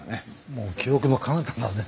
もう記憶のかなただね。